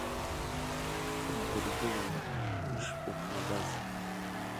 Шәкыддыргылеит ишшәықәнагаз!